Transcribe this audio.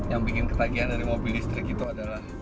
yang bikin ketagihan dari mobil listrik itu adalah